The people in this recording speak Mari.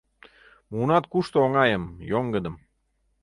Муынат кушто оҥайым, йоҥгыдым.